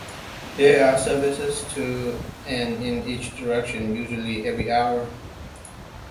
There are services to and in each direction usually every hour.